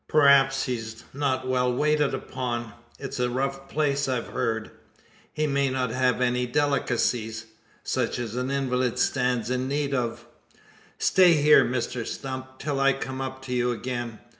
"Perhaps he is not well waited upon? It's a rough place, I've heard. He may not have any delicacies such as an invalid stands in need of? Stay here, Mr Stump, till I come up to you again.